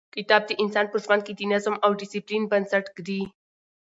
کتاب د انسان په ژوند کې د نظم او ډیسپلین بنسټ ږدي.